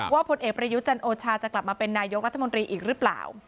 ผลเอกประยุทธ์จันโอชาจะกลับมาเป็นนายกรัฐมนตรีอีกหรือเปล่า